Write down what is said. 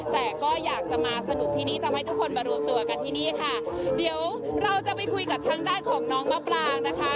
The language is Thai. แต่ก็อยากจะมาสนุกที่นี่ทำให้ทุกคนมารวมตัวกันที่นี่ค่ะเดี๋ยวเราจะไปคุยกับทางด้านของน้องมะปรางนะคะ